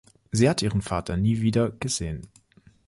Sie hat ihren Vater nie wieder gesehen.